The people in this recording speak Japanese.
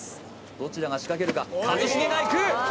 どちらが仕掛けるか一茂がいく！